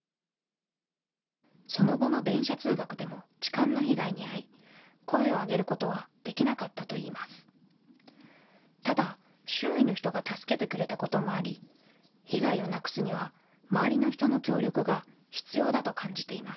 その後の電車通学でも痴漢の被害に遭い、声を上げることはできなかったといいます。